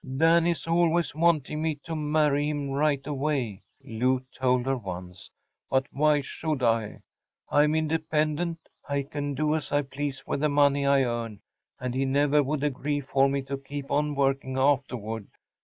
“Dan is always wanting me to marry him right away,‚ÄĚ Lou told her once. “But why should I? I’m independent. I can do as I please with the money I earn; and he never would agree for me to keep on working afterward.